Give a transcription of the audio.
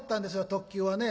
特急はね。